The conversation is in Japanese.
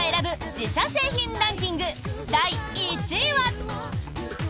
自社製品ランキング第１位は。